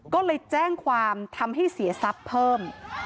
ก็เลยแจ้งความทำให้เสียทรัพย์เพิ่ม